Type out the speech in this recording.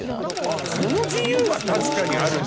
その自由は確かにあるね。